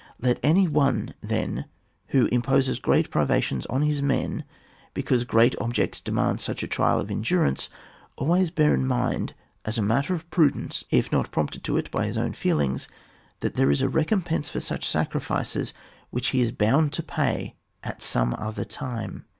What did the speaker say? Let any one then, who imposes great privations on his men because great objects demand such a trial of endurance, always bear in mind as a matter of prudence, if not prompted to it by his own feelings, that there is a recompence . for such sacrifices which he is boimd to pay at some other time.